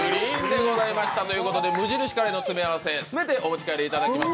無印良品のカレーの詰め合わせ、全てお持ち帰りいただきます。